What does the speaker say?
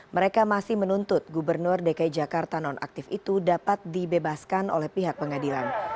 mereka masih menuntut gubernur dki jakarta nonaktif itu dapat dibebaskan oleh pihak pengadilan